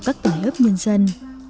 các tỉnh lớp nhân dân